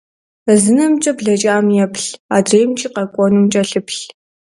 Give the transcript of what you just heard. Зы нэмкӏэ блэкӏам еплъ, адреимкӏэ къэкӏуэнум кӏэлъыплъ.